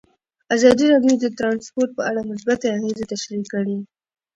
ازادي راډیو د ترانسپورټ په اړه مثبت اغېزې تشریح کړي.